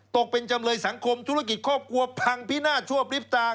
ตกเป็นจำเลยสังคมธุรกิจครอบครัวพังพินาศชั่วพริบตา